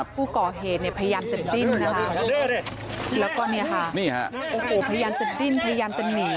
ผู้ก่อเหตุเนี่ยพยายามจะดิ้นนะคะแล้วก็เนี่ยค่ะโอ้โหพยายามจะดิ้นพยายามจะหนี